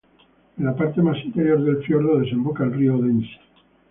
En la parte más interior del fiordo desemboca el río Odense.